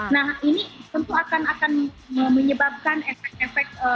nah ini tentu akan menyebabkan efek efek